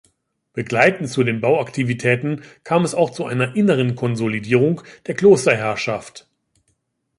Begleitend zu den Bauaktivitäten kam es auch zu einer inneren Konsolidierung der Klosterherrschaft.